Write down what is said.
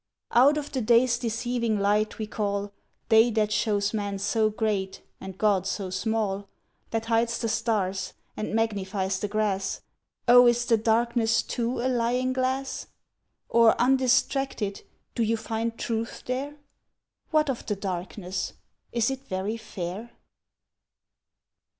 Out of the Day's deceiving light we call Day that shows man so great, and God so small, That hides the stars, and magnifies the grass O is the Darkness too a lying glass! Or undistracted, do you find truth there? What of the Darkness? Is it very fair?